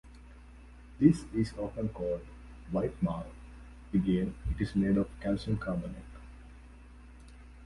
This is often called "white marl"; again, it is made of calcium carbonate.